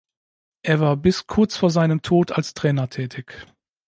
Er war bis kurz vor seinem Tod als Trainer tätig.